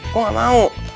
gue gak mau